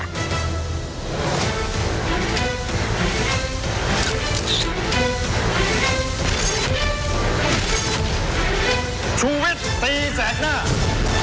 ชูวิตตีแสงหน้า